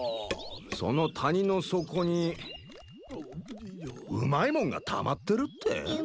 その谷の底にうまいもんがたまってるって？